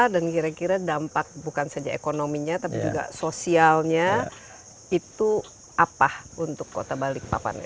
dan kira kira dampak bukan saja ekonominya tapi juga sosialnya itu apa untuk kota balipapan